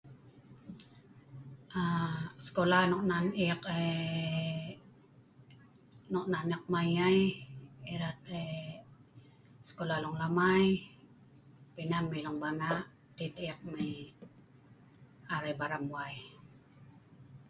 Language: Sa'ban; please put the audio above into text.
skolah nok an eek ai nok nan eek mai ai erat ai skola long Lamai pi nah mai long Banga pi dei eek mai arai Baram wai